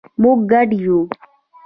مونږ ګډ یو